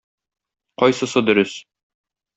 Кайсысы дөрес?